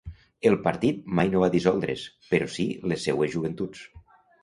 El partit mai no va dissoldre's, però sí les seues joventuts.